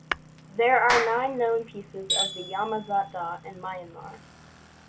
There are nine known pieces of the Yama Zatdaw in Myanmar.